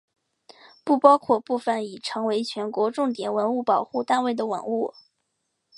不包括部分已成为全国重点文物保护单位的文物。